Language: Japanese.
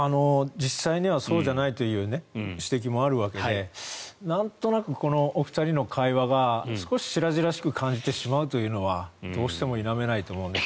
実際にはそうじゃないという指摘もあるわけでなんとなく、このお二人の会話が少し白々しく感じてしまうというのはどうしても否めないと思うんです。